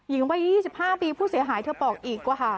ยิงไว้๒๕ปีผู้เสียหายเธอบอกอีก